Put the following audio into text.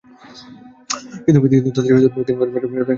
কিন্তু তাতে বেকেনবাওয়ার ব্রাইটনারদের থোড়াই কেয়ার।